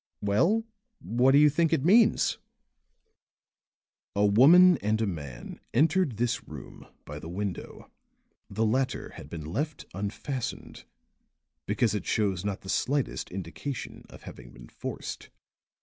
"Well, what do you think it means?" "A woman and a man entered this room by the window; the latter had been left unfastened because it shows not the slightest indication of having been forced.